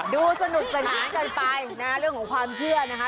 ดูสนุกสนานกันไปนะเรื่องของความเชื่อนะคะ